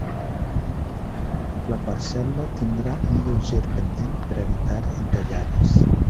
La parcel·la tindrà un lleuger pendent per a evitar entollades.